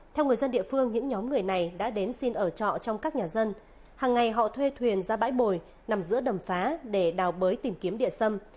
theo người dân địa phương những nhóm người này đã đến xin ở trọ trong các nhà dân hàng ngày họ thuê thuyền ra bãi bồi nằm giữa đầm phá để đào bới tìm kiếm địa xâm